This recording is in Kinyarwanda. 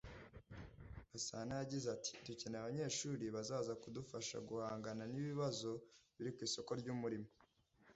Gasana yagize ati “Dukeneye abanyeshuri bazaza kudufasha guhangana n’ibibazo biri ku isoko ry’umurimo